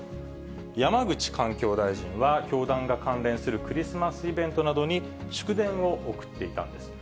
山口環境大臣は、教団が関連するクリスマスイベントなどに祝電を送っていたんです。